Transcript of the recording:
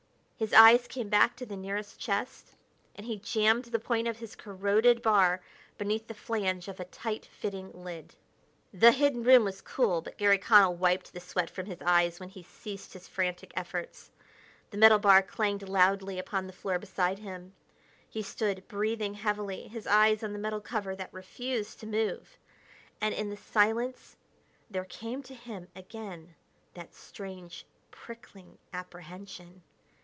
His eyes came back to the nearest chest, and he jammed the point of his corroded bar beneath the flange of a tight fitting lid. The hidden room was cool, but Garry Connell wiped the sweat from his eyes when he ceased his frantic efforts. The metal bar clanged loudly upon the floor beside him. He stood, breathing heavily, his eyes on the metal cover that refused to move. And in the silence there came to him again that strange, prickling apprehension.